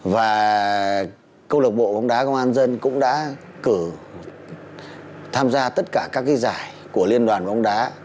và câu lạc bộ bóng đá công an nhân dân cũng đã tham gia tất cả các cái giải của liên đoàn bóng đá